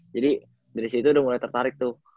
jadi dari situ udah mulai tertarik tuh